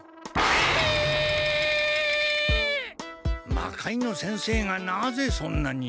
魔界之先生がなぜそんなに？